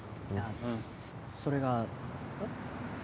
うんそれがえっ？